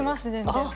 全然。